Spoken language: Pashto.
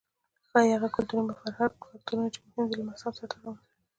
ښايي هغه کلتوري فکټورونه چې مهم دي له مذهب سره تړاو نه لري.